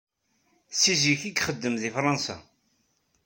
Seg zik ay ixeddem deg Fṛansa.